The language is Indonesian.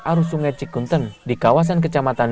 arus sungai cikunten di kawasan kecamatan